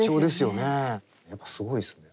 やっぱすごいっすね。